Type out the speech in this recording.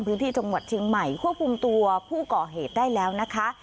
พื้นที่จังหวัดเชียงใหม่ควบคุมตัวผู้ก่อเหตุได้แล้วนะคะ